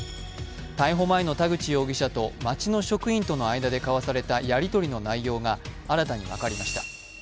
逮捕前の田口容疑者と町の職員との間で交わされたやりとりの内容が新たに分かりました。